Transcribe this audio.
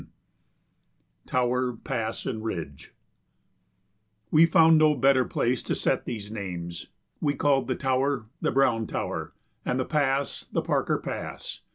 [Sidenote: Tower, Pass, and Ridge] We found no better place to set these names; we called the tower the Browne Tower and the pass the Parker Pass.